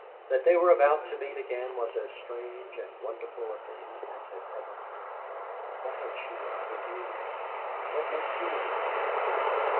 That they were about to meet again was as strange and wonderful a thing as had ever happened. What had she not endured? What must he have gone through?